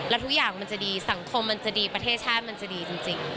แล้วทุกอย่างมันจะดีสังคมมันจะดีประเทศชาติมันจะดีจริง